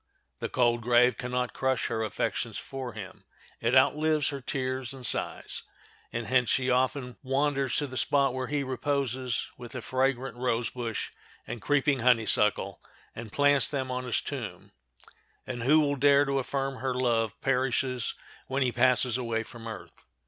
The cold grave can not crush her affections for him—it outlives her tears and sighs; and hence she often wanders to the spot where he reposes with the fragrant rose bush and creeping honeysuckle, and plants them on his tomb; and who will dare to affirm her love perishes when she passes away from earth?